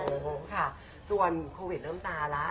โอ้โหค่ะส่วนโควิดเริ่มตาแล้ว